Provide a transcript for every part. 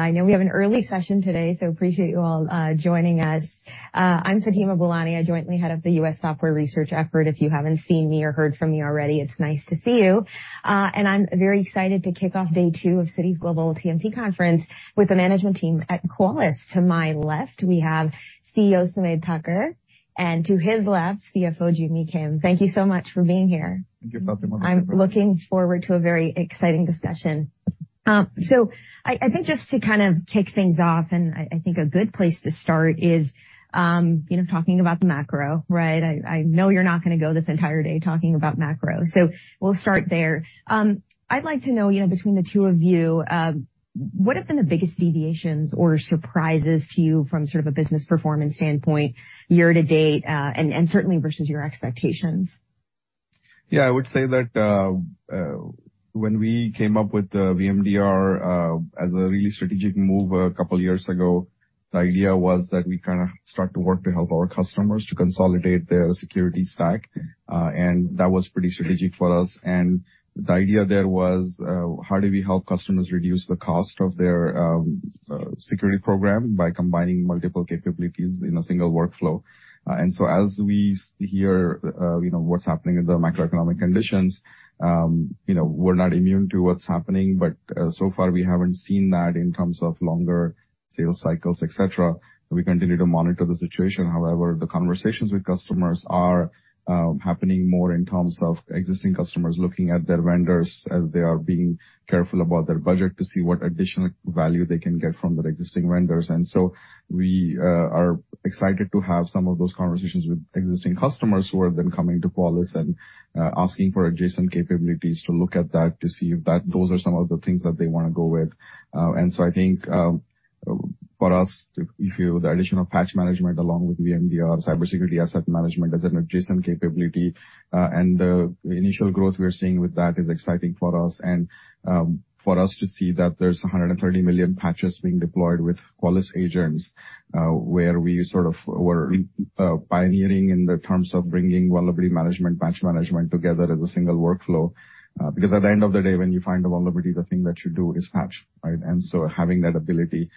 Good morning. I know we have an early session today, so appreciate you all joining us. I'm Fatima Boolani, jointly head of the U.S. Software Research Effort. If you haven't seen me or heard from me already, it's nice to see you. I'm very excited to kick off day two of Citi's Global TMT Conference with the management team at Qualys. To my left, we have CEO Sumedh Thakar, and to his left, CFO Joo Mi Kim. Thank you so much for being here. Thank you for having us. I'm looking forward to a very exciting discussion. I think just to kind of kick things off, and I think a good place to start is, you know, talking about the macro, right? I know you're not gonna go this entire day talking about macro, so we'll start there. I'd like to know, you know, between the two of you, what have been the biggest deviations or surprises to you from sort of a business performance standpoint year to date, and certainly versus your expectations? Yeah. I would say that, when we came up with the VMDR, as a really strategic move a couple years ago, the idea was that we kinda start to work to help our customers to consolidate their security stack, and that was pretty strategic for us. The idea there was, how do we help customers reduce the cost of their security program by combining multiple capabilities in a single workflow? As we hear, you know, what's happening in the macroeconomic conditions, you know, we're not immune to what's happening, but so far we haven't seen that in terms of longer sales cycles, et cetera. We continue to monitor the situation. However, the conversations with customers are happening more in terms of existing customers looking at their vendors as they are being careful about their budget to see what additional value they can get from their existing vendors. We are excited to have some of those conversations with existing customers who are then coming to Qualys and asking for adjacent capabilities to look at that to see if those are some of the things that they wanna go with. I think, for us, the additional Patch Management along with VMDR, CyberSecurity Asset Management as an adjacent capability, and the initial growth we're seeing with that is exciting for us and for us to see that there's 130 million patches being deployed with Qualys agents, where we sort of were pioneering in terms of bringing Vulnerability Management, Patch Management together as a single workflow. Because at the end of the day, when you find a vulnerability, the thing that you do is patch, right? Having that ability.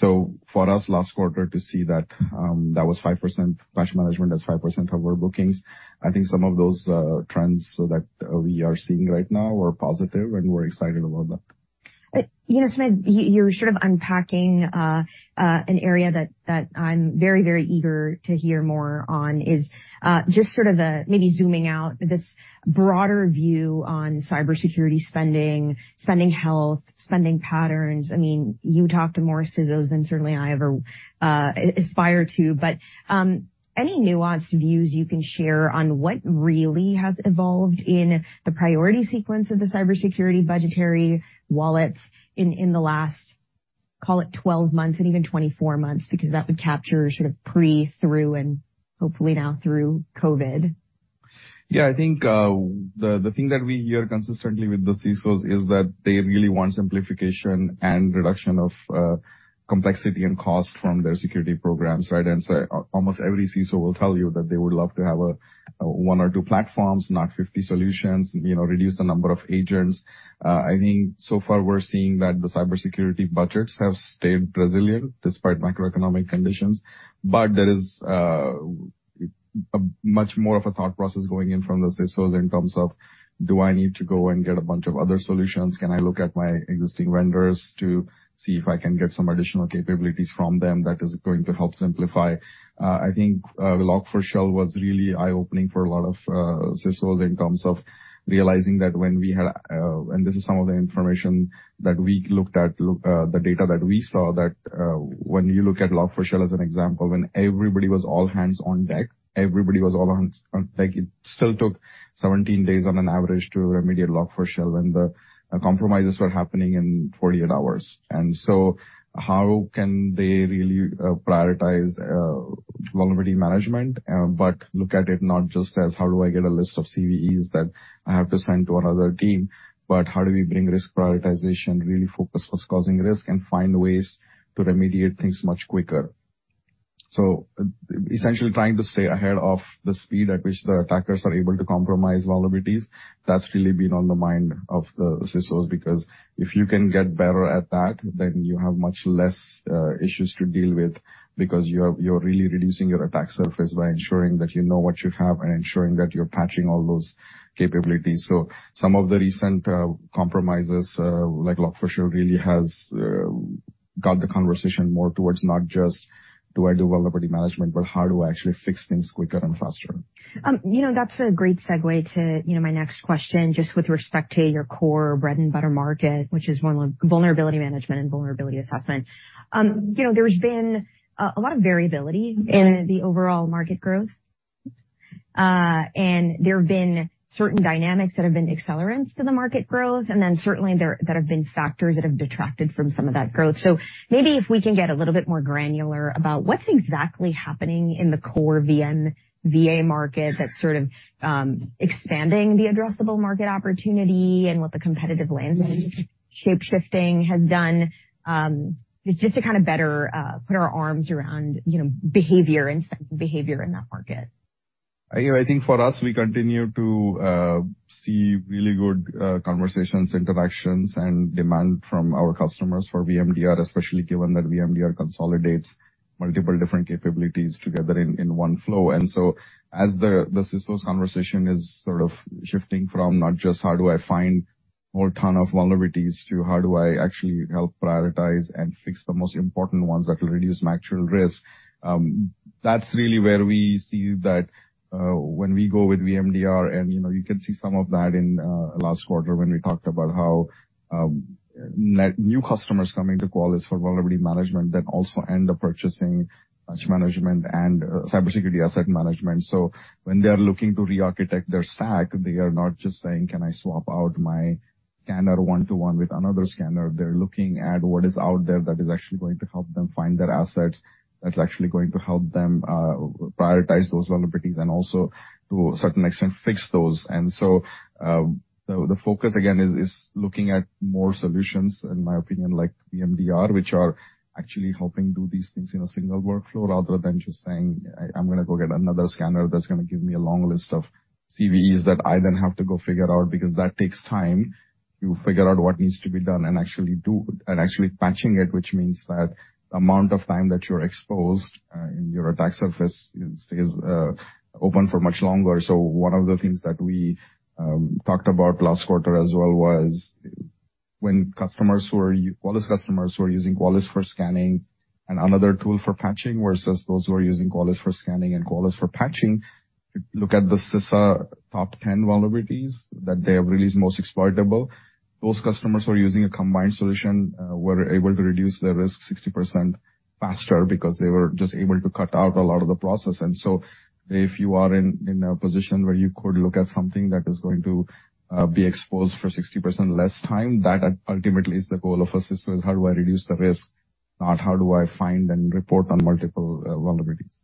For us last quarter to see that was 5% Patch Management, that's 5% of our bookings. I think some of those trends that we are seeing right now are positive, and we're excited about that. You know, Sumedh, you're sort of unpacking an area that I'm very, very eager to hear more on, is just sort of maybe zooming out this broader view on cybersecurity spending health, spending patterns. I mean, you talk to more CISOs than certainly I ever aspire to, but any nuanced views you can share on what really has evolved in the priority sequence of the cybersecurity budgetary wallets in the last, call it 12 months and even 24 months, because that would capture sort of pre, through, and hopefully now through COVID. Yeah. I think the thing that we hear consistently with the CISOs is that they really want simplification and reduction of complexity and cost from their security programs, right? Almost every CISO will tell you that they would love to have one or two platforms, not 50 solutions, you know, reduce the number of agents. I think so far we're seeing that the cybersecurity budgets have stayed resilient despite macroeconomic conditions. There is a much more of a thought process going in from the CISOs in terms of, do I need to go and get a bunch of other solutions? Can I look at my existing vendors to see if I can get some additional capabilities from them that is going to help simplify? I think Log4Shell was really eye-opening for a lot of CISOs in terms of realizing that. This is some of the information that we looked at, the data that we saw, that when you look at Log4Shell as an example, when everybody was all hands on deck, it still took 17 days on average to remediate Log4Shell, and the compromises were happening in 48 hours. How can they really prioritize vulnerability management, but look at it not just as how do I get a list of CVEs that I have to send to another team, but how do we bring risk prioritization, really focus what's causing risk, and find ways to remediate things much quicker. Essentially trying to stay ahead of the speed at which the attackers are able to compromise vulnerabilities. That's really been on the mind of the CISOs, because if you can get better at that, then you have much less issues to deal with because you're really reducing your attack surface by ensuring that you know what you have and ensuring that you're patching all those capabilities. Some of the recent compromises, like Log4Shell, really has got the conversation more towards not just do I do vulnerability management, but how do I actually fix things quicker and faster? You know, that's a great segue to, you know, my next question, just with respect to your core bread and butter market, which is vulnerability management and vulnerability assessment. You know, there's been a lot of variability in the overall market growth. There have been certain dynamics that have been accelerants to the market growth, and then certainly that have been factors that have detracted from some of that growth. Maybe if we can get a little bit more granular about what's exactly happening in the core VM/VA market that's sort of expanding the addressable market opportunity and what the competitive landscape shape-shifting has done, just to kind of better put our arms around, you know, behavior in that market. I think for us, we continue to see really good conversations, interactions, and demand from our customers for VMDR, especially given that VMDR consolidates multiple different capabilities together in one flow. As the CISO's conversation is sort of shifting from not just how do I find whole ton of vulnerabilities to how do I actually help prioritize and fix the most important ones that will reduce my actual risk, that's really where we see that when we go with VMDR. You know, you can see some of that in last quarter when we talked about how new customers coming to Qualys for vulnerability management then also end up purchasing Patch Management and Cybersecurity Asset Management. When they are looking to rearchitect their stack, they are not just saying, "Can I swap out my scanner one-to-one with another scanner?" They're looking at what is out there that is actually going to help them find their assets, that's actually going to help them, prioritize those vulnerabilities and also to a certain extent, fix those. The focus again is looking at more solutions, in my opinion, like VMDR, which are actually helping do these things in a single workflow, rather than just saying, "I'm gonna go get another scanner that's gonna give me a long list of CVEs that I then have to go figure out," because that takes time to figure out what needs to be done and actually do and actually patching it, which means that amount of time that you're exposed, and your attack surface is open for much longer. One of the things that we talked about last quarter as well was when customers who are Qualys customers who are using Qualys for scanning and another tool for patching versus those who are using Qualys for scanning and Qualys for patching, look at the CISA top 10 vulnerabilities that they have released most exploitable. Those customers who are using a combined solution were able to reduce their risk 60% faster because they were just able to cut out a lot of the process. If you are in a position where you could look at something that is going to be exposed for 60% less time, that ultimately is the goal of a CISO, is how do I reduce the risk, not how do I find and report on multiple vulnerabilities.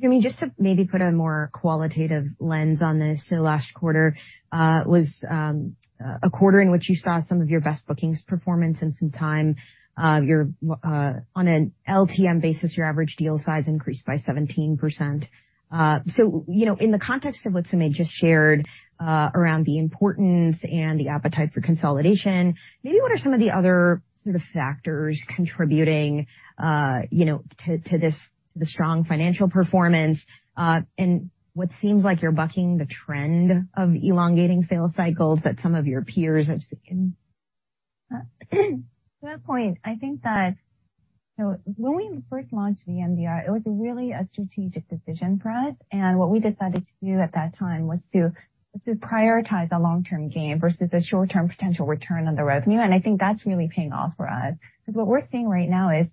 Joo Mi, just to maybe put a more qualitative lens on this. Last quarter was a quarter in which you saw some of your best bookings performance in some time. On an LTM basis, your average deal size increased by 17%. You know, in the context of what Sumedh just shared, around the importance and the appetite for consolidation, maybe what are some of the other sort of factors contributing, you know, to this, the strong financial performance, and what seems like you're bucking the trend of elongating sales cycles that some of your peers have seen? To that point, I think that, you know, when we first launched VMDR, it was really a strategic decision for us. What we decided to do at that time was to prioritize a long-term gain versus a short-term potential return on the revenue. I think that's really paying off for us. 'Cause what we're seeing right now is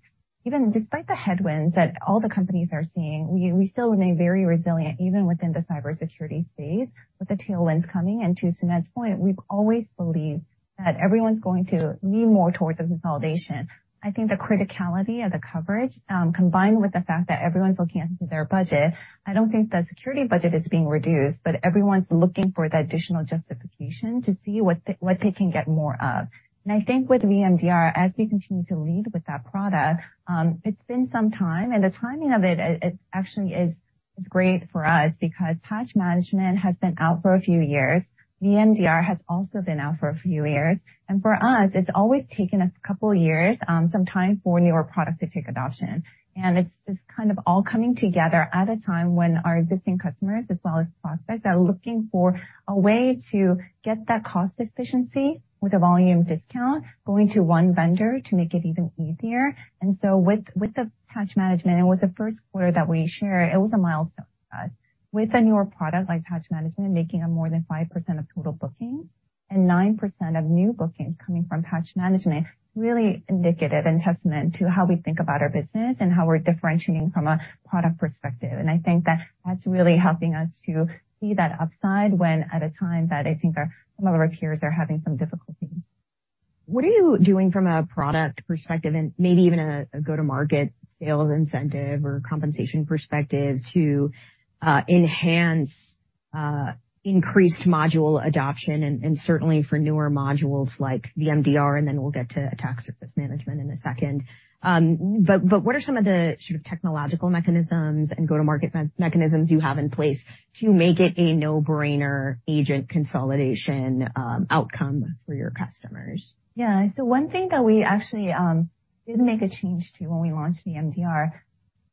even despite the headwinds that all the companies are seeing, we still remain very resilient, even within the cybersecurity space with the tailwinds coming. To Sumedh's point, we've always believed that everyone's going to lean more towards the consolidation. I think the criticality of the coverage, combined with the fact that everyone's looking into their budget, I don't think the security budget is being reduced, but everyone's looking for the additional justification to see what they can get more of. I think with VMDR, as we continue to lead with that product, it's been some time, and the timing of it actually is great for us because Patch Management has been out for a few years. VMDR has also been out for a few years. For us, it's always taken us a couple years, some time for newer products to take adoption. It's kind of all coming together at a time when our existing customers as well as prospects are looking for a way to get that cost efficiency with a volume discount going to one vendor to make it even easier. With the Patch Management and with the first quarter that we share, it was a milestone for us. With a newer product like Patch Management making up more than 5% of total bookings and 9% of new bookings coming from Patch Management, it's really indicative and testament to how we think about our business and how we're differentiating from a product perspective. I think that that's really helping us to see that upside when at a time that I think our, some of our peers are having some difficulties. What are you doing from a product perspective and maybe even a go-to-market sales incentive or compensation perspective to enhance increased module adoption and certainly for newer modules like VMDR, and then we'll get to attack surface management in a second? What are some of the sort of technological mechanisms and go-to-market mechanisms you have in place to make it a no-brainer agent consolidation outcome for your customers? Yeah. One thing that we actually did make a change to when we launched VMDR.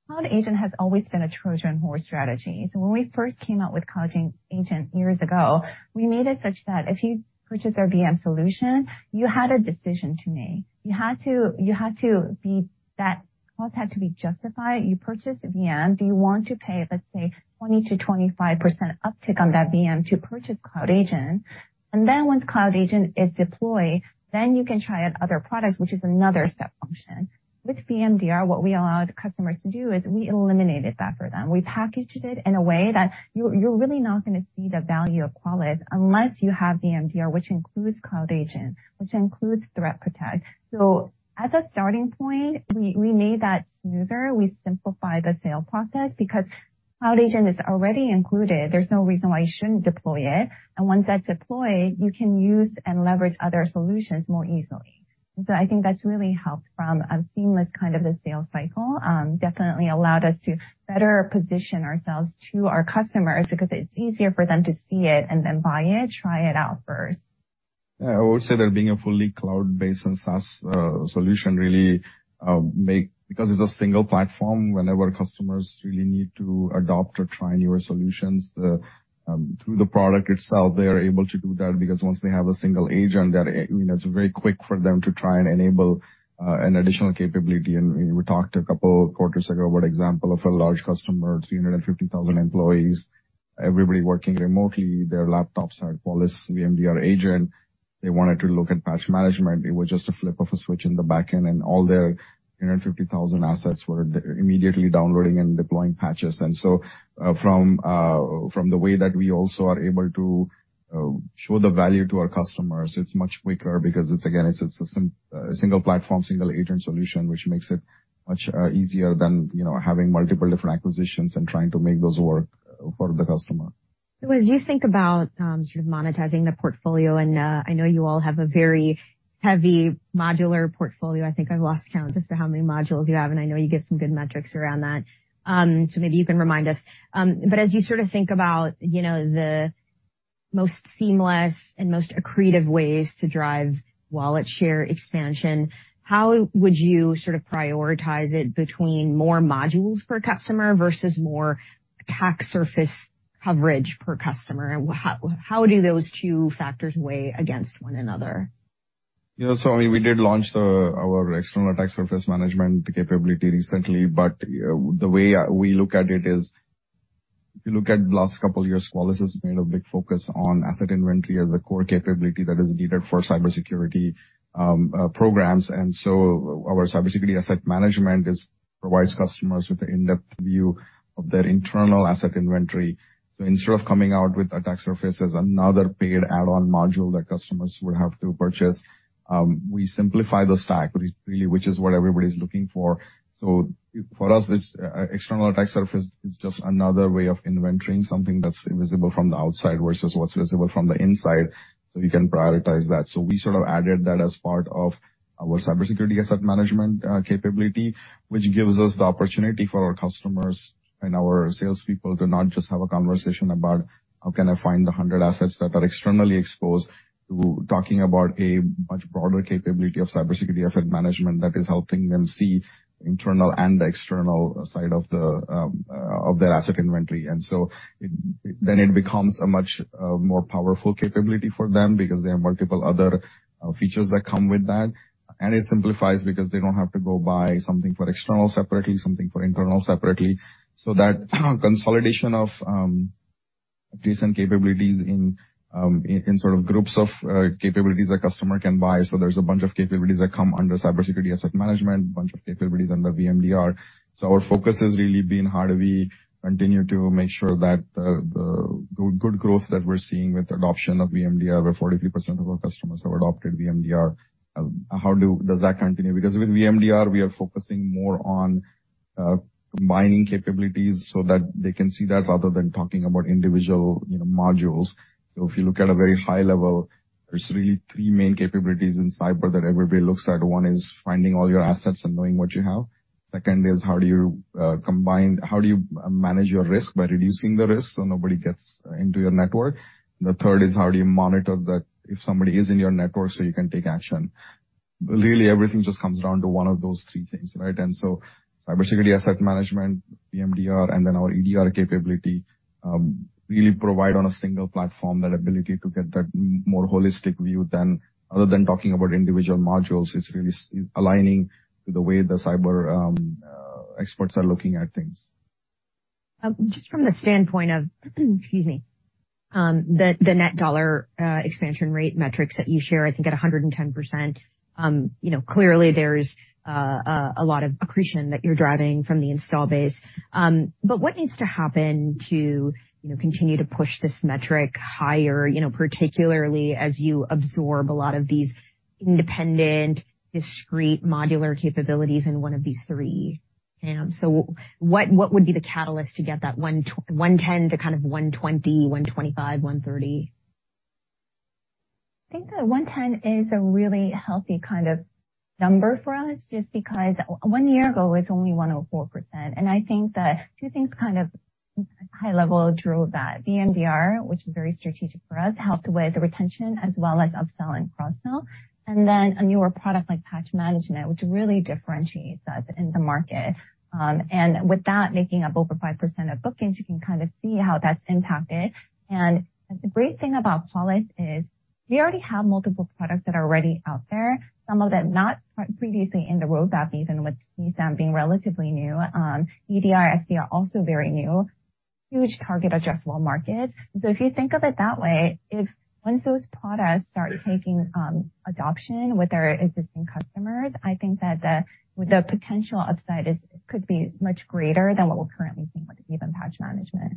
Cloud Agent has always been a Trojan horse strategy. When we first came out with Cloud Agent years ago, we made it such that if you purchase our VM solution, you had a decision to make. You had to. That cost had to be justified. You purchase a VM, do you want to pay, let's say, 20%-25% uptick on that VM to purchase Cloud Agent? Then once Cloud Agent is deployed, you can try out other products, which is another step function. With VMDR, what we allow the customers to do is we eliminated that for them. We packaged it in a way that you're really not gonna see the value of Qualys unless you have VMDR, which includes Cloud Agent, which includes ThreatPROTECT. As a starting point, we made that smoother. We simplified the sales process because Cloud Agent is already included. There's no reason why you shouldn't deploy it. And once that's deployed, you can use and leverage other solutions more easily. I think that's really helped from a seamless kind of a sales cycle. Definitely allowed us to better position ourselves to our customers because it's easier for them to see it and then buy it, try it out first. Yeah. I would say that being a fully cloud-based and SaaS solution really because it's a single platform, whenever customers really need to adopt or try newer solutions, through the product itself, they are able to do that because once they have a single agent, that, you know, it's very quick for them to try and enable an additional capability. We talked a couple quarters ago about example of a large customer, 350,000 employees, everybody working remotely. Their laptops had Qualys VMDR agent. They wanted to look at Patch Management. It was just a flip of a switch in the back end, and all their 350,000 assets were immediately downloading and deploying patches. From the way that we also are able to show the value to our customers, it's much quicker because it's again, it's a single platform, single agent solution, which makes it much easier than, you know, having multiple different acquisitions and trying to make those work for the customer. As you think about sort of monetizing the portfolio, and I know you all have a very heavy modular portfolio. I think I've lost count just to how many modules you have, and I know you give some good metrics around that. Maybe you can remind us. As you sort of think about, you know, the most seamless and most accretive ways to drive wallet share expansion, how would you sort of prioritize it between more modules per customer versus more attack surface coverage per customer? How do those two factors weigh against one another? Yeah. I mean, we did launch our External Attack Surface Management capability recently, but the way we look at it is if you look at the last couple of years, Qualys has made a big focus on asset inventory as a core capability that is needed for cybersecurity programs. Our CyberSecurity Asset Management provides customers with an in-depth view of their internal asset inventory. Instead of coming out with attack surface as another paid add-on module that customers would have to purchase, we simplify the stack, which is what everybody's looking for. For us, this external attack surface is just another way of inventorying something that's visible from the outside versus what's visible from the inside, so we can prioritize that. We sort of added that as part of our CyberSecurity Asset Management capability, which gives us the opportunity for our customers and our salespeople to not just have a conversation about how can I find the 100 assets that are externally exposed to talking about a much broader capability of CyberSecurity Asset Management that is helping them see internal and external side of their asset inventory. It becomes a much more powerful capability for them because there are multiple other features that come with that. It simplifies because they don't have to go buy something for external separately, something for internal separately. That consolidation of recent capabilities in sort of groups of capabilities a customer can buy. There's a bunch of capabilities that come under cybersecurity asset management, a bunch of capabilities under VMDR. Our focus has really been how do we continue to make sure that the good growth that we're seeing with adoption of VMDR, where 43% of our customers have adopted VMDR, how does that continue? Because with VMDR, we are focusing more on combining capabilities so that they can see that rather than talking about individual, you know, modules. If you look at a very high level, there's really three main capabilities in cyber that everybody looks at. One is finding all your assets and knowing what you have. Second is how do you manage your risk by reducing the risk so nobody gets into your network. The third is how do you monitor that if somebody is in your network, so you can take action. Really, everything just comes down to one of those three things, right? CyberSecurity Asset Management, VMDR, and then our EDR capability really provide on a single platform that ability to get that more holistic view other than talking about individual modules. It's really aligning to the way the cyber experts are looking at things. Just from the standpoint of, excuse me, the net dollar expansion rate metrics that you share, I think at 110%, you know, clearly there's a lot of accretion that you're driving from the install base. But what needs to happen to, you know, continue to push this metric higher, you know, particularly as you absorb a lot of these independent, discrete modular capabilities in one of these three? What would be the catalyst to get that 110% to kind of 120%, 125%, 130%? I think that 110 is a really healthy kind of number for us just because one year ago, it was only 104%. I think that two things kind of high level drove that. VMDR, which is very strategic for us, helped with retention as well as upsell and cross-sell. A newer product like Patch Management, which really differentiates us in the market. With that making up over 5% of bookings, you can kind of see how that's impacted. The great thing about Qualys is we already have multiple products that are already out there, some of them not previously in the roadmap, even with CSAM being relatively new. EDR, XDR are also very new. Huge target addressable market. If you think of it that way, if once those products start taking adoption with our existing customers, I think that the potential upside could be much greater than what we're currently seeing with even Patch Management.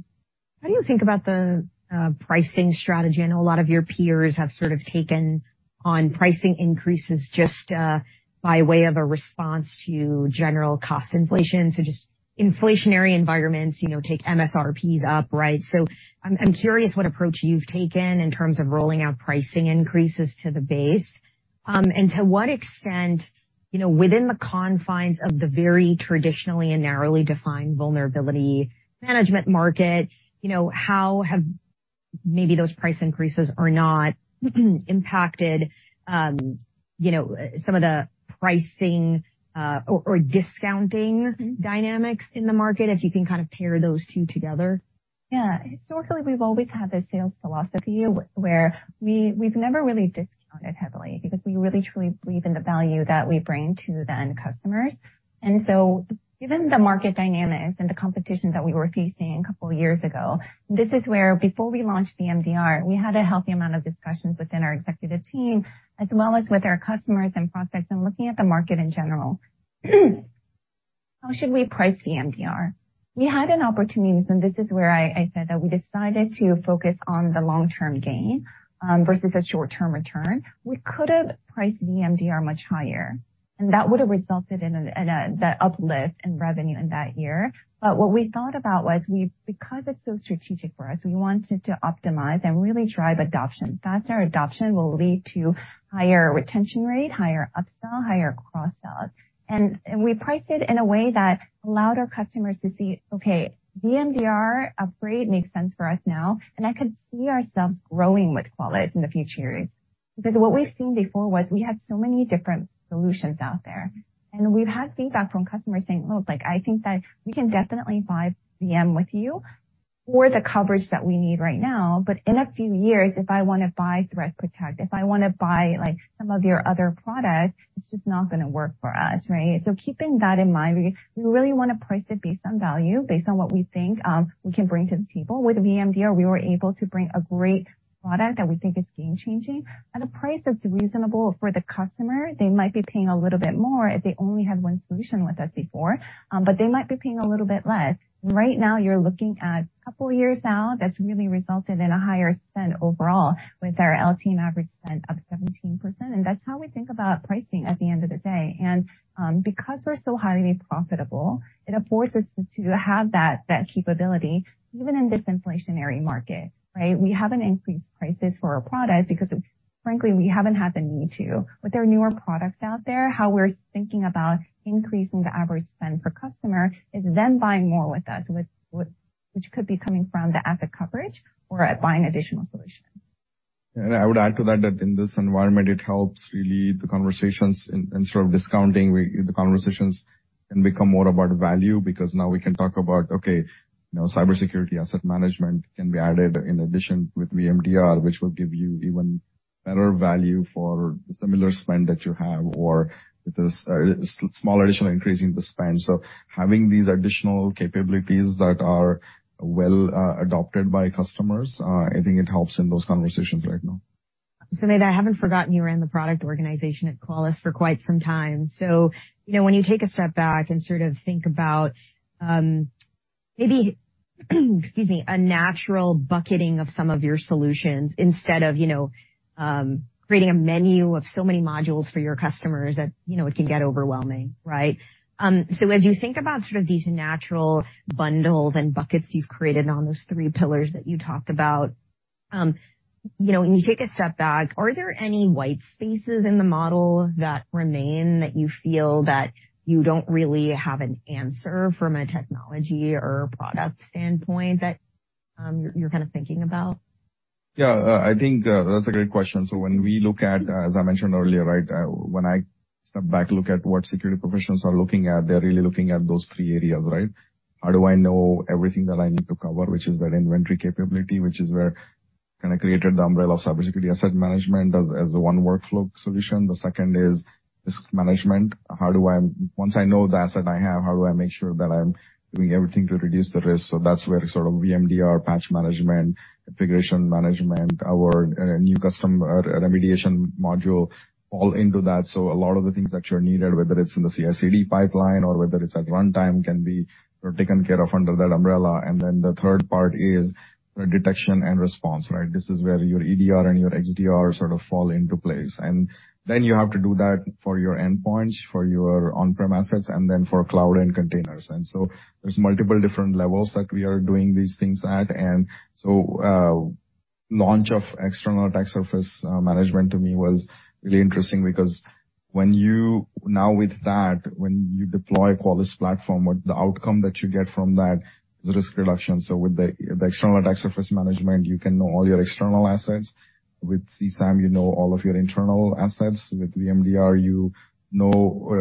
How do you think about the pricing strategy? I know a lot of your peers have sort of taken on pricing increases just by way of a response to general cost inflation. Just inflationary environments, you know, take MSRPs up, right? I'm curious what approach you've taken in terms of rolling out pricing increases to the base. And to what extent, you know, within the confines of the very traditionally and narrowly defined vulnerability management market, you know, how have maybe those price increases are not impacted, you know, some of the pricing, or discounting dynamics in the market, if you can kind of pair those two together. Yeah. Historically, we've always had this sales philosophy where we've never really discounted heavily because we really truly believe in the value that we bring to the end customers. Given the market dynamics and the competition that we were facing a couple years ago, this is where before we launched VMDR, we had a healthy amount of discussions within our executive team as well as with our customers and prospects and looking at the market in general. How should we price VMDR? We had an opportunity, and this is where I said that we decided to focus on the long-term gain versus a short-term return. We could have priced VMDR much higher, and that would have resulted in a that uplift in revenue in that year. What we thought about was, because it's so strategic for us, we wanted to optimize and really drive adoption. Faster adoption will lead to higher retention rate, higher upsell, higher cross-sells. We priced it in a way that allowed our customers to see, okay, VMDR upgrade makes sense for us now, and I could see ourselves growing with Qualys in the future. Because what we've seen before was we had so many different solutions out there, and we've had feedback from customers saying, "Look, like I think that we can definitely buy VM with you for the coverage that we need right now, but in a few years, if I wanna buy ThreatPROTECT, if I wanna buy like some of your other products, it's just not gonna work for us, right?" Keeping that in mind, we really wanna price it based on value, based on what we think we can bring to the table. With VMDR, we were able to bring a great product that we think is game-changing at a price that's reasonable for the customer. They might be paying a little bit more if they only had one solution with us before, but they might be paying a little bit less. Right now, you're looking at couple years now that's really resulted in a higher spend overall with our LT average spend of 17%, and that's how we think about pricing at the end of the day. Because we're so highly profitable, it affords us to have that capability even in this inflationary market, right? We haven't increased prices for our products because, frankly, we haven't had the need to. With our newer products out there, how we're thinking about increasing the average spend per customer is them buying more with us, with which could be coming from the asset coverage or buying additional solutions. I would add to that in this environment, it helps really the conversations in, instead of discounting the conversations can become more about value because now we can talk about, okay, you know, cybersecurity asset management can be added in addition with VMDR, which will give you even better value for the similar spend that you have or with a small additional increase in the spend. Having these additional capabilities that are well adopted by customers, I think it helps in those conversations right now. Sumedh, I haven't forgotten you ran the product organization at Qualys for quite some time. You know, when you take a step back and sort of think about, maybe, excuse me, a natural bucketing of some of your solutions instead of, you know, creating a menu of so many modules for your customers that, you know, it can get overwhelming, right? As you think about sort of these natural bundles and buckets you've created on those three pillars that you talked about, you know, when you take a step back, are there any white spaces in the model that remain that you feel that you don't really have an answer from a technology or a product standpoint that, you're kind of thinking about? Yeah. I think that's a great question. When we look at, as I mentioned earlier, right, when I step back, look at what security professionals are looking at, they're really looking at those three areas, right? How do I know everything that I need to cover, which is that inventory capability, which is where kinda created the umbrella of CyberSecurity Asset Management as one workflow solution. The second is risk management. How do I Once I know the asset I have, how do I make sure that I'm doing everything to reduce the risk? That's where sort of VMDR, Patch Management, configuration management, our new custom remediation module fall into that. A lot of the things that you need, whether it's in the CI/CD pipeline or whether it's at runtime, can be taken care of under that umbrella. Then the third part is detection and response, right? This is where your EDR and your XDR sort of fall into place. Then you have to do that for your endpoints, for your on-prem assets, and then for cloud and containers. There's multiple different levels that we are doing these things at. Launch of External Attack Surface Management to me was really interesting because now with that, when you deploy Qualys platform, what the outcome that you get from that is risk reduction. With the External Attack Surface Management, you can know all your external assets. With CSAM, you know all of your internal assets. With VMDR,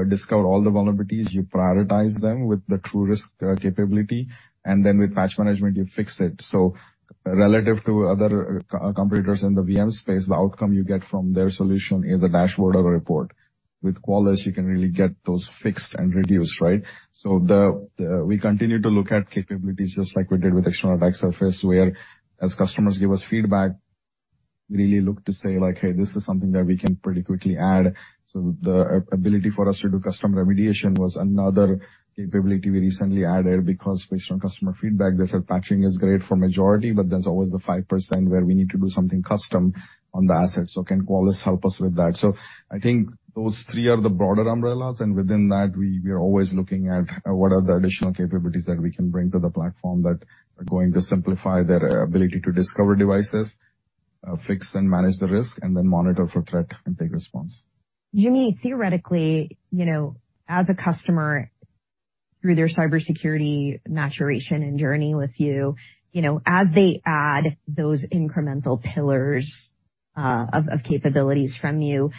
discover all the vulnerabilities, you prioritize them with the TruRisk capability. Then with Patch Management, you fix it. Relative to other competitors in the VM space, the outcome you get from their solution is a dashboard or a report. With Qualys, you can really get those fixed and reduced, right? We continue to look at capabilities just like we did with External Attack Surface, where, as customers give us feedback, really look to say, like, "Hey, this is something that we can pretty quickly add." The ability for us to do Custom Remediation was another capability we recently added because based on customer feedback, they said patching is great for majority, but there's always the 5% where we need to do something custom on the assets. Can Qualys help us with that? I think those three are the broader umbrellas, and within that, we are always looking at what are the additional capabilities that we can bring to the platform that are going to simplify their ability to discover devices, fix and manage the risk, and then monitor for threat and take response. Joo Mi, theoretically, you know, as a customer, through their cybersecurity maturation and journey with you know, as they add those incremental pillars of capabilities from you,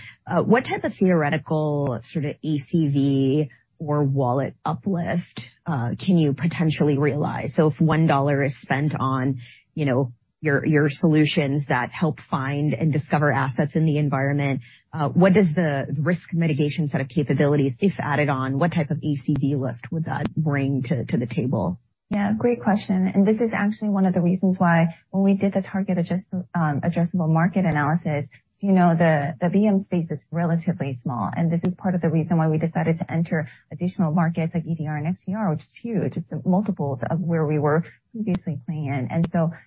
what type of theoretical sort of ACV or wallet uplift can you potentially realize? If $1 is spent on, you know, your solutions that help find and discover assets in the environment, what does the risk mitigation set of capabilities, if added on, what type of ACV lift would that bring to the table? Yeah, great question. This is actually one of the reasons why when we did the total addressable market analysis, you know, the VM space is relatively small, and this is part of the reason why we decided to enter additional markets like EDR and XDR, which is huge. It's multiples of where we were previously playing in.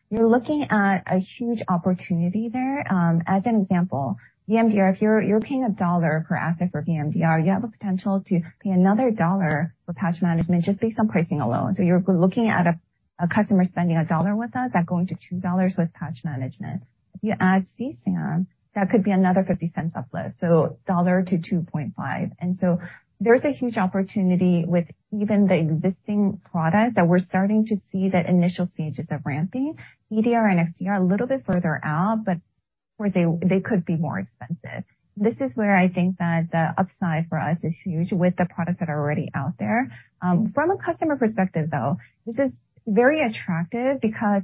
You're looking at a huge opportunity there. As an example, VMDR, if you're paying $1 per asset for VMDR, you have a potential to pay another $1 for Patch Management, just based on pricing alone. You're looking at a customer spending $1 with us, that going to $2 with Patch Management. If you add CSAM, that could be another $0.50 uplift, so $1 to $2.5. There's a huge opportunity with even the existing product that we're starting to see the initial stages of ramping. EDR and XDR are a little bit further out, but where they could be more expensive. This is where I think that the upside for us is huge with the products that are already out there. From a customer perspective, though, this is very attractive because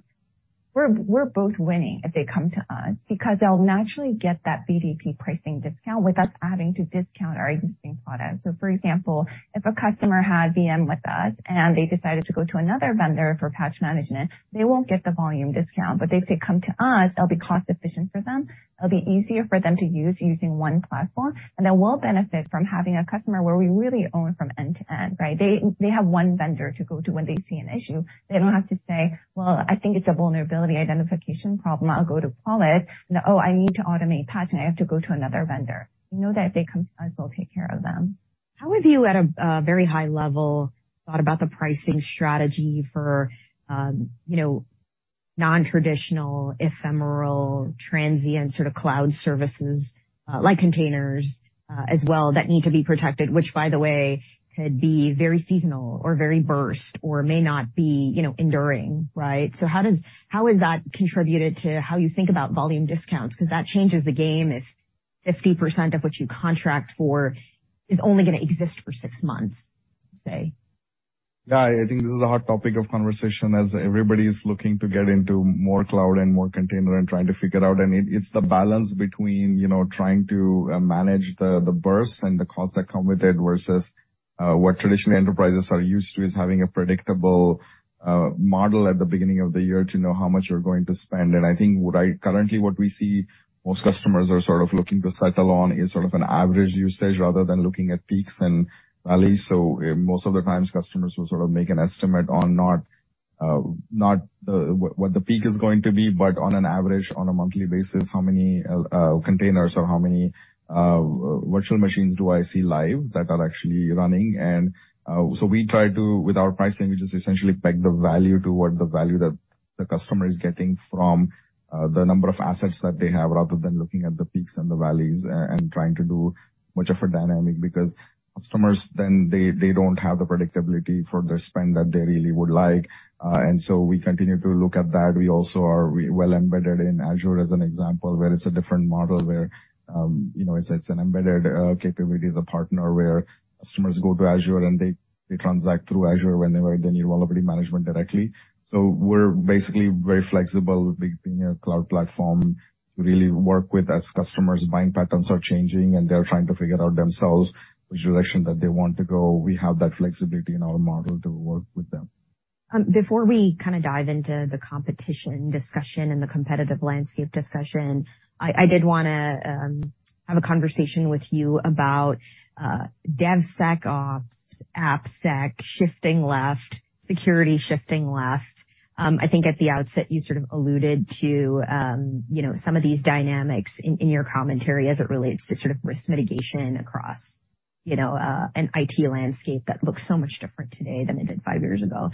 we're both winning if they come to us, because they'll naturally get that VDP pricing discount without us having to discount our existing products. For example, if a customer had VM with us and they decided to go to another vendor for Patch Management, they won't get the volume discount. If they come to us, it'll be cost efficient for them, it'll be easier for them to use using one platform, and they will benefit from having a customer where we really own from end to end, right? They have one vendor to go to when they see an issue. They don't have to say, "Well, I think it's a vulnerability identification problem. I'll go to Qualys." And, "Oh, I need to automate patching. I have to go to another vendor." We know that if they come to us, we'll take care of them. How have you at a very high level thought about the pricing strategy for, you know, non-traditional, ephemeral, transient sort of cloud services, like containers, as well that need to be protected, which by the way, could be very seasonal or very burst or may not be, you know, enduring, right? How has that contributed to how you think about volume discounts? 'Cause that changes the game if 50% of what you contract for is only gonna exist for six months, say. Yeah, I think this is a hot topic of conversation as everybody is looking to get into more cloud and more container and trying to figure out. It's the balance between, you know, trying to manage the bursts and the costs that come with it versus what traditional enterprises are used to is having a predictable model at the beginning of the year to know how much you're going to spend. I think currently what we see most customers are sort of looking to settle on is sort of an average usage rather than looking at peaks and valleys. Most of the times customers will sort of make an estimate on not what the peak is going to be, but on an average, on a monthly basis, how many containers or how many virtual machines do I see live that are actually running. We try to, with our pricing, we just essentially peg the value to what the value that the customer is getting from the number of assets that they have, rather than looking at the peaks and the valleys and trying to do much of a dynamic. Because customers then they don't have the predictability for their spend that they really would like. We continue to look at that. We also are well embedded in Azure as an example, where it's a different model where you know it's an embedded capability as a partner where customers go to Azure and they transact through Azure whenever they need vulnerability management directly. We're basically very flexible with being a cloud platform to really work with as customers' buying patterns are changing and they're trying to figure out themselves which direction that they want to go. We have that flexibility in our model to work with them. Before we kinda dive into the competition discussion and the competitive landscape discussion, I did wanna have a conversation with you about DevSecOps, AppSec, shifting left, security shifting left. I think at the outset you sort of alluded to you know, some of these dynamics in your commentary as it relates to sort of risk mitigation across you know, an IT landscape that looks so much different today than it did five years ago.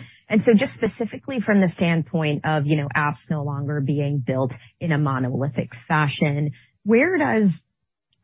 Just specifically from the standpoint of you know, apps no longer being built in a monolithic fashion, where does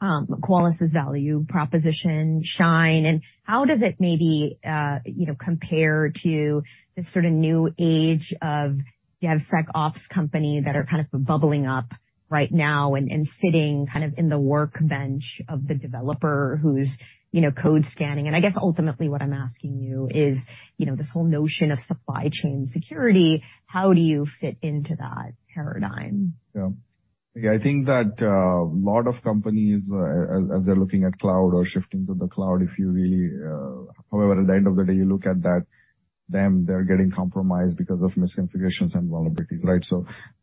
Qualys' value proposition shine, and how does it maybe you know, compare to this sort of new age of DevSecOps company that are kind of bubbling up right now and sitting kind of in the workbench of the developer who's you know, code scanning? I guess ultimately what I'm asking you is, you know, this whole notion of supply chain security, how do you fit into that paradigm? Yeah. I think that a lot of companies as they're looking at cloud or shifting to the cloud. However, at the end of the day, you look at that. They're getting compromised because of misconfigurations and vulnerabilities, right?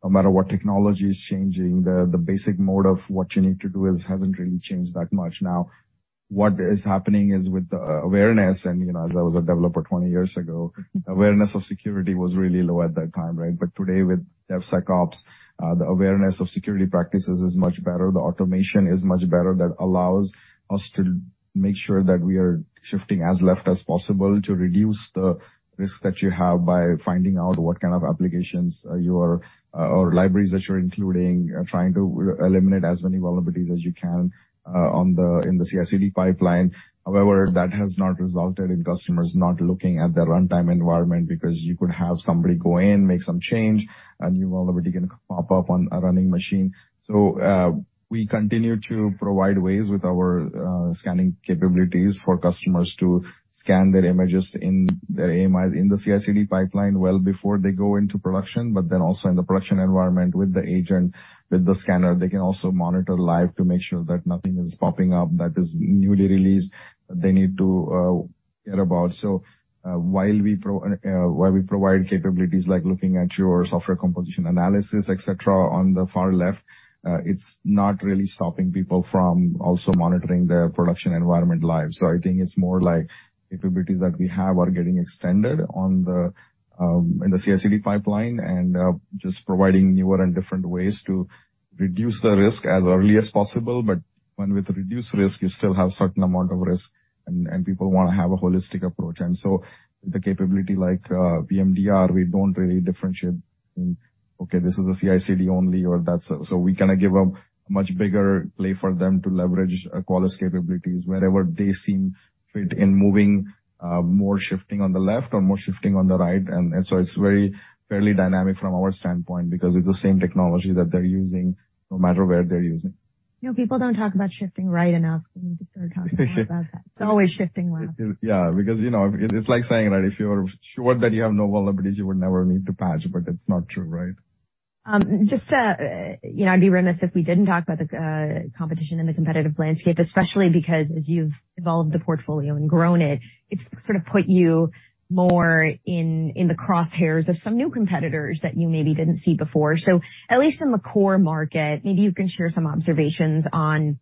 No matter what technology is changing, the basic mode of what you need to do hasn't really changed that much. Now what is happening is with the awareness, and you know, as I was a developer 20 years ago, awareness of security was really low at that time, right? Today with DevSecOps, the awareness of security practices is much better, the automation is much better. That allows us to make sure that we are shifting as left as possible to reduce the risk that you have by finding out what kind of applications, or libraries that you're including, trying to eliminate as many vulnerabilities as you can, in the CI/CD pipeline. However, that has not resulted in customers not looking at their runtime environment because you could have somebody go in, make some change, a new vulnerability can pop up on a running machine. We continue to provide ways with our scanning capabilities for customers to scan their images in their AMIs in the CI/CD pipeline well before they go into production. Also in the production environment with the agent, with the scanner, they can also monitor live to make sure that nothing is popping up that is newly released they need to care about. While we provide capabilities like looking at your software composition analysis, et cetera, on the far left, it's not really stopping people from also monitoring their production environment live. I think it's more like capabilities that we have are getting extended in the CI/CD pipeline and just providing newer and different ways to reduce the risk as early as possible. With reduced risk, you still have certain amount of risk and people wanna have a holistic approach. The capability like VMDR, we don't really differentiate in, okay, this is a CI/CD only or that's. We kinda give a much bigger play for them to leverage our Qualys capabilities wherever they seem fit in moving more shifting on the left or more shifting on the right. And so it's very fairly dynamic from our standpoint because it's the same technology that they're using no matter where they're using. You know, people don't talk about shifting right enough. We need to start talking more about that. It's always shifting left. Yeah, because, you know, it's like saying that if you're sure that you have no vulnerabilities, you would never need to patch, but that's not true, right? Just to, you know, I'd be remiss if we didn't talk about the competition and the competitive landscape, especially because as you've evolved the portfolio and grown it's sort of put you more in the crosshairs of some new competitors that you maybe didn't see before. At least in the core market, maybe you can share some observations on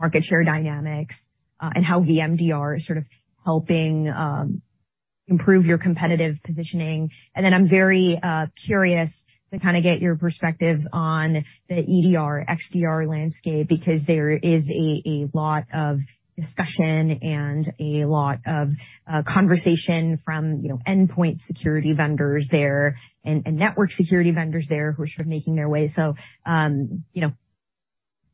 market share dynamics and how VMDR is sort of helping improve your competitive positioning. Then I'm very curious to kinda get your perspectives on the EDR/XDR landscape because there is a lot of discussion and a lot of conversation from, you know, endpoint security vendors there and network security vendors there who are sort of making their way. you know,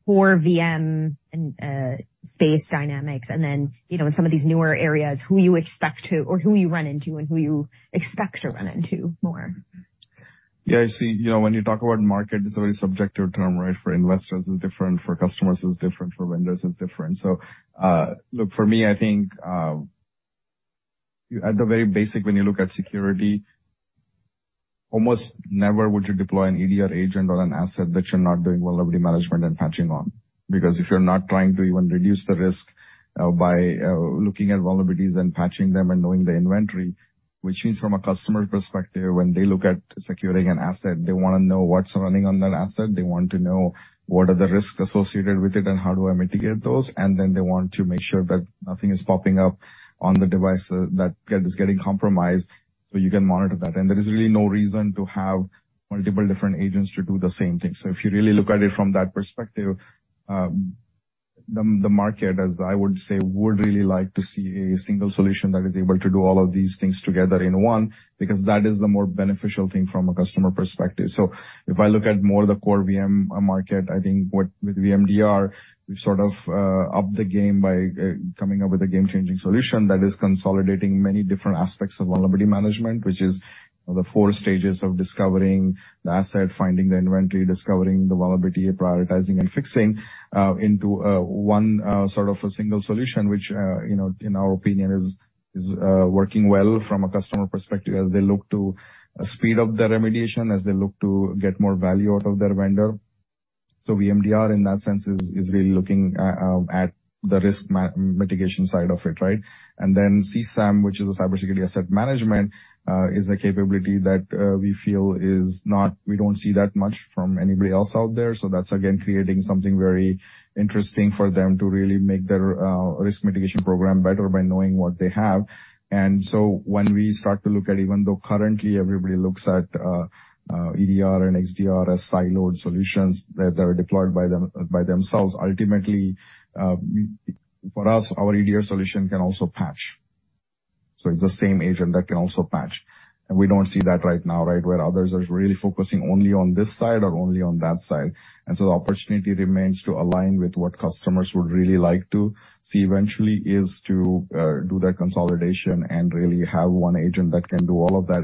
core VM and space dynamics and then, you know, in some of these newer areas, who you expect to or who you run into and who you expect to run into more. Yeah, I see. You know, when you talk about market, it's a very subjective term, right? For investors it's different, for customers it's different, for vendors it's different. Look, for me, I think at the very basic, when you look at security, almost never would you deploy an EDR agent on an asset that you're not doing vulnerability management and patching on. Because if you're not trying to even reduce the risk by looking at vulnerabilities and patching them and knowing the inventory, which means from a customer perspective, when they look at securing an asset, they wanna know what's running on that asset, they want to know what are the risks associated with it and how do I mitigate those? Then they want to make sure that nothing is popping up on the device that is getting compromised, so you can monitor that. There is really no reason to have multiple different agents to do the same thing. If you really look at it from that perspective, the market, as I would say, would really like to see a single solution that is able to do all of these things together in one, because that is the more beneficial thing from a customer perspective. If I look at more the core VM market, I think what with VMDR, we've sort of upped the game by coming up with a game-changing solution that is consolidating many different aspects of vulnerability management, which is the four stages of discovering the asset, finding the inventory, discovering the vulnerability, prioritizing and fixing into one sort of a single solution which, you know, in our opinion is working well from a customer perspective as they look to speed up their remediation, as they look to get more value out of their vendor. VMDR in that sense is really looking at the risk mitigation side of it, right? CSAM, which is a CyberSecurity Asset Management, is a capability that we feel we don't see that much from anybody else out there. That's again creating something very interesting for them to really make their risk mitigation program better by knowing what they have. When we start to look at even though currently everybody looks at EDR and XDR as siloed solutions that are deployed by them, by themselves, ultimately, for us, our EDR solution can also patch. It's the same agent that can also patch. We don't see that right now, right? Where others are really focusing only on this side or only on that side. The opportunity remains to align with what customers would really like to see eventually is to do that consolidation and really have one agent that can do all of that.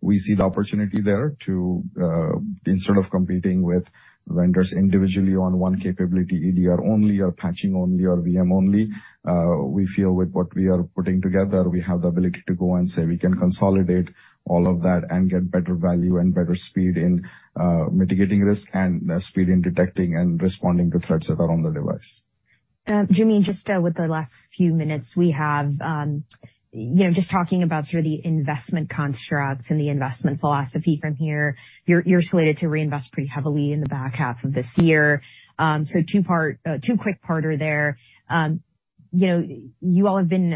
We see the opportunity there to instead of competing with vendors individually on one capability, EDR only or patching only or VM only, we feel with what we are putting together, we have the ability to go and say we can consolidate all of that and get better value and better speed in mitigating risk and speed in detecting and responding to threats that are on the device. Joo Mi, just with the last few minutes we have, you know, just talking about sort of the investment constructs and the investment philosophy from here. You're slated to reinvest pretty heavily in the back half of this year. Two quick parter there. You know, you all have been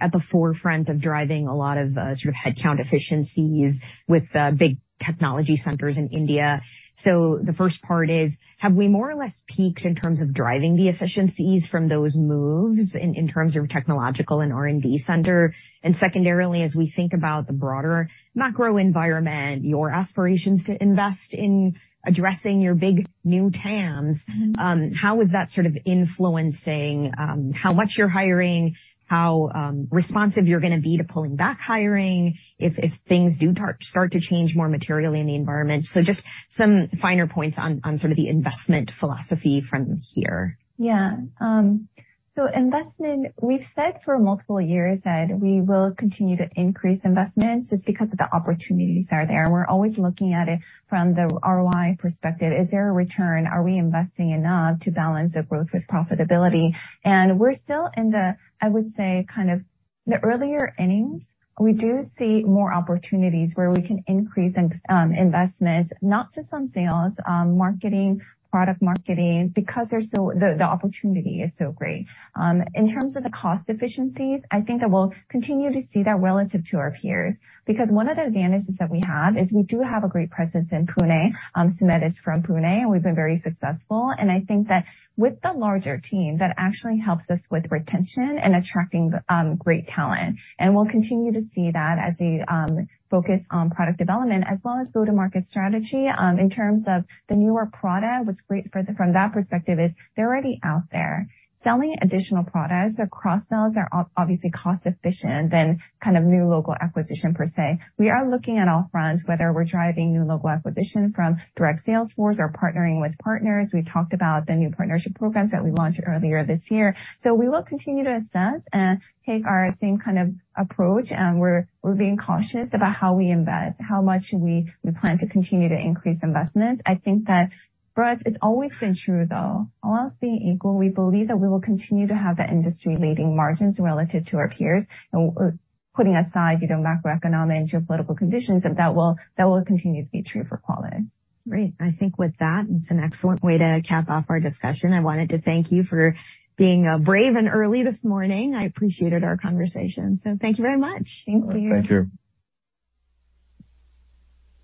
at the forefront of driving a lot of sort of headcount efficiencies with the big technology centers in India. The first part is have we more or less peaked in terms of driving the efficiencies from those moves in terms of technological and R&D center? Secondarily, as we think about the broader macro environment, your aspirations to invest in addressing your big new TAMs. Mm-hmm. How is that sort of influencing how much you're hiring, how responsive you're gonna be to pulling back hiring if things do start to change more materially in the environment? Just some finer points on sort of the investment philosophy from here. Yeah. Investment, we've said for multiple years that we will continue to increase investments just because of the opportunities are there. We're always looking at it from the ROI perspective. Is there a return? Are we investing enough to balance the growth with profitability? We're still in the, I would say, kind of the earlier innings. We do see more opportunities where we can increase in investment, not just on sales, marketing, product marketing, because the opportunity is so great. In terms of the cost efficiencies, I think that we'll continue to see that relative to our peers because one of the advantages that we have is we do have a great presence in Pune. Sumedh is from Pune, and we've been very successful. I think that with the larger team, that actually helps us with retention and attracting, great talent. We'll continue to see that as we focus on product development as well as go-to-market strategy. In terms of the newer product, what's great from that perspective is they're already out there. Selling additional products or cross-sells are obviously cost efficient than kind of new local acquisition per se. We are looking at all fronts, whether we're driving new local acquisition from direct sales force or partnering with partners. We talked about the new partnership programs that we launched earlier this year. We will continue to assess and take our same kind of approach, and we're being cautious about how we invest, how much we plan to continue to increase investment. I think that for us, it's always been true, though. All else being equal, we believe that we will continue to have the industry-leading margins relative to our peers. Putting aside, you know, macroeconomic and geopolitical conditions, that will continue to be true for Qualys. Great. I think with that, it's an excellent way to cap off our discussion. I wanted to thank you for being brave and early this morning. I appreciated our conversation. Thank you very much. Thank you. Thank you.